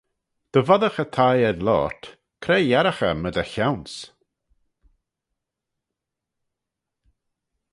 Dy voddagh y thie ayd loayrt, cre yiarragh eh my dty chione's?